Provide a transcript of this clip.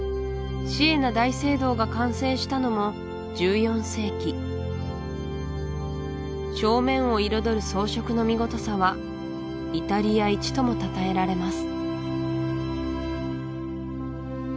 シエナ大聖堂が完成したのも１４世紀正面を彩る装飾の見事さはイタリア一ともたたえられます